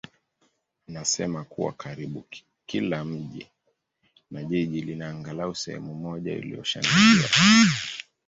anasema kuwa karibu kila mji na jiji lina angalau sehemu moja iliyoshangiliwa.